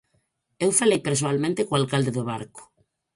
Eu falei persoalmente co alcalde do Barco.